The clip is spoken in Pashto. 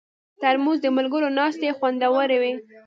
ترموز د ملګرو ناستې خوندوروي.